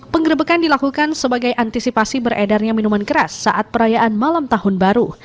penggerbekan dilakukan sebagai antisipasi beredarnya minuman keras saat perayaan malam tahun baru